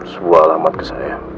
sebuah alamat ke saya